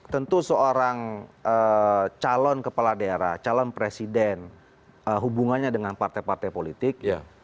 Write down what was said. tentu seorang calon kepala daerah calon presiden hubungannya dengan partai partai politik